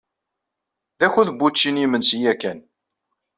D akud n wučči n yimensi yakan.